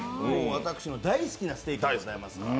私の大好きなステーキでございますから。